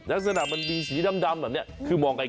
ลักษณะมันมีสีดำแบบนี้คือมองไกล